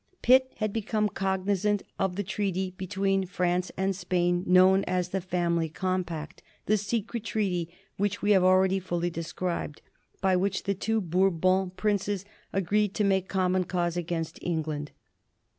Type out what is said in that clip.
Pitt had become cognizant of the treaty between France and Spain known as the "Family Compact," the secret treaty which we have already fully described, by which the two Bourbon princes agreed to make common cause against England.